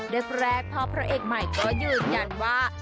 แรกพ่อพระเอกใหม่ก็ยืนยันว่า